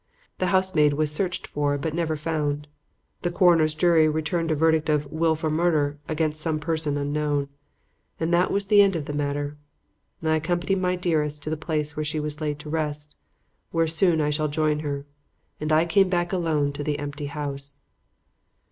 The housemaid was searched for but never found. The coroner's jury returned a verdict of 'wilful murder' against some person unknown. And that was the end of the matter. I accompanied my dearest to the place where she was laid to rest, where soon I shall join her. And I came back alone to the empty house.